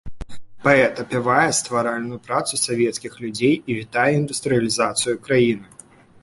Паэт апявае стваральную працу савецкіх людзей і вітае індустрыялізацыю краіны.